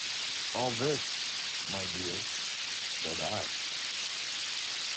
"All this, my dear," said I.